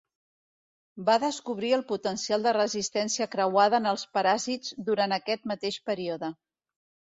Va descobrir el potencial de resistència creuada en els paràsits durant aquest mateix període.